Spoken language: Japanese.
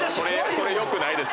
それよくないです。